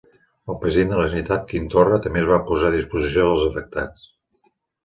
El president de la Generalitat, Quim Torra, també es va posar a disposició dels afectats.